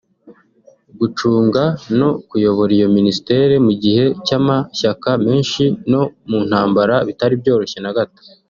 gucunga no kuyobora iyo Ministère mu gihe cy’amashyaka menshi no mu ntambara bitari byoroshye na gato